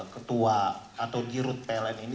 ketua atau dirut pln ini